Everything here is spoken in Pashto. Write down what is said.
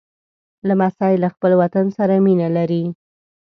لمسی له خپل وطن سره مینه لري.